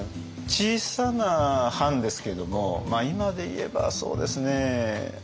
小さな藩ですけども今で言えばそうですね